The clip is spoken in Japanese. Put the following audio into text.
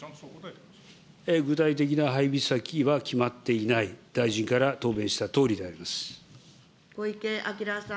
具体的な配備先は決まっていない、大臣から答弁したとおりで小池晃さん。